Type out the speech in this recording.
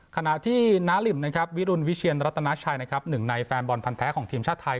ขณะที่นาลิมวิรุณวิเชียร์รัตนาชัย๑ในแฟนบอลพันธุ์แท้ของทีมชาติไทย